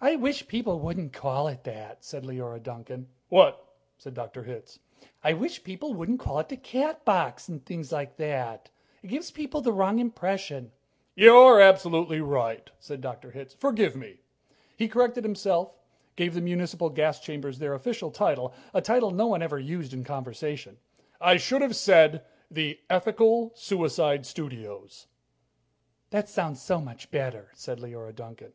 "I wish people wouldn't call it that," said Leora Duncan. "What?" said Dr. Hitz. "I wish people wouldn't call it 'the Catbox,' and things like that," she said. "It gives people the wrong impression." "You're absolutely right," said Dr. Hitz. "Forgive me." He corrected himself, gave the municipal gas chambers their official title, a title no one ever used in conversation. "I should have said, 'Ethical Suicide Studios,'" he said. "That sounds so much better," said Leora Duncan.